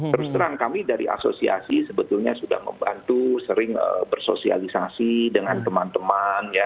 terus terang kami dari asosiasi sebetulnya sudah membantu sering bersosialisasi dengan teman teman